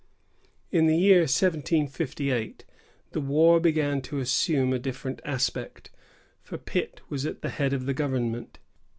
In the year 1758, the war began to assume a different aspect, for Pitt was at the head of the government.